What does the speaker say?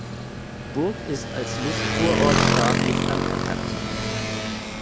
Burg ist als Luftkurort staatlich anerkannt.